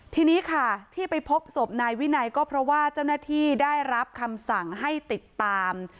ทีนี้ค่ะที่ไปพบศพนายวินัยก็เพราะว่าเจ้าหน้าที่ได้รับคำสั่งให้ติดตาม